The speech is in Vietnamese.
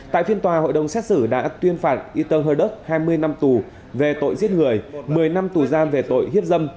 tại phiên tòa hội đồng xét xử đã tuyên phạt ito hờ đức hai mươi năm tù về tội giết người một mươi năm tù giam về tội hiếp dâm